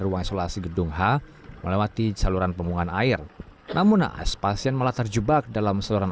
ruang isolasi gedung h melewati saluran pembungan air namun naas pasien malah terjebak dalam seluruh